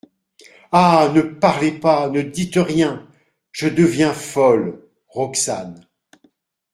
Ah ! ne parlez pas, ne dites rien !… Je deviens folle ! ROXANE.